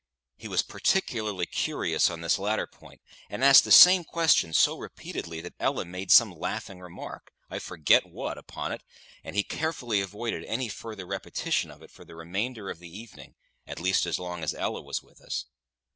He was particularly curious on this latter point, and asked the same question so repeatedly that Ella made some laughing remark, I forget what, upon it, and he carefully avoided any further repetition of it for the remainder of the evening, at least as long as Ella was with us.